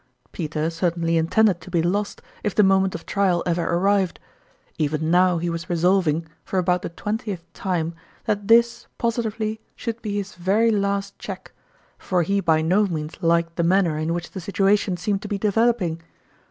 Peter certainly intended to be lost if the moment of trial ever arrived. Even now he was resolving, for about the twentieth time that this positively should be his very last cheque ; for he by no means liked the man ner in which the situation seemed to be de veloping.